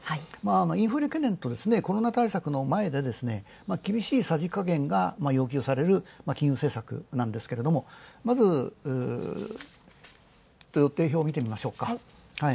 インフレ懸念とコロナ対策のコロナ対策の前で厳しいさじ加減が要求される金融政策なんですが、まず、予定表を見てみましょうか。